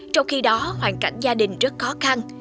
trong khi đó hoàn cảnh gia đình rất khó khăn